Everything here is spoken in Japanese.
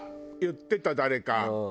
言ってた誰か。